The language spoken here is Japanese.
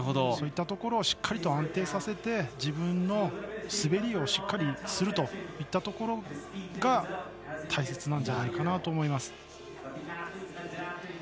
そういったところをしっかりと安定させて自分の滑りをしっかりするといったところが大切なんじゃないかなと思います。